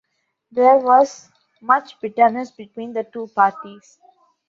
There was much bitterness between the two parties.